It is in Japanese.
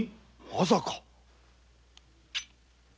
まさか！？